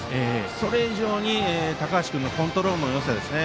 それ以上に高橋君のコントロールのよさですよね。